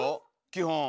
基本。